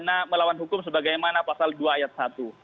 tindak pidana melawan hukum sebagaimana pasal dua ayat satu